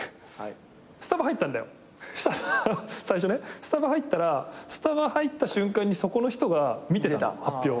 スタバ入ったらスタバ入った瞬間にそこの人が見てたの発表を。